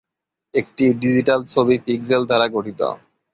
একটি ডিজিটাল ছবি পিক্সেল দ্বারা গঠিত।